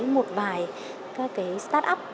một vài các startup